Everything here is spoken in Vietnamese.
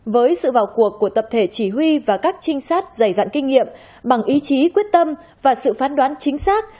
với sự vào cuộc của tập thể chỉ huy và các trinh sát dày dặn kinh nghiệm bằng ý chí quyết tâm và sự phán đoán chính xác